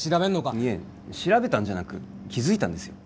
いいえ調べたんじゃなく気づいたんですよ